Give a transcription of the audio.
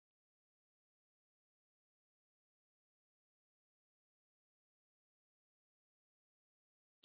প্রথম পরীক্ষাতেই সে তা পারবে না।